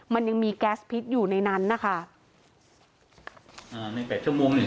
มันยังมีแก๊สพิษอยู่ในนั้นนะคะอ่าในแปดชั่วโมงนี่